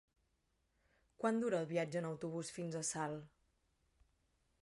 Quant dura el viatge en autobús fins a Salt?